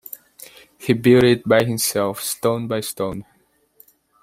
He built it by himself, stone by stone.